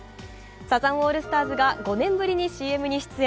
サザンオールスターズが５年ぶりにＣＭに出演。